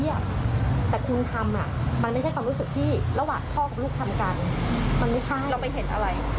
เราไปเห็นอะไร